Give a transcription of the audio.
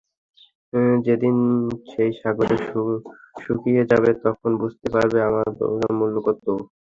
যেদিন সেই সাগর শুকিয়ে যাবে, তখন বুঝতে পারবে আমার ভালোবাসার মূল্য কত।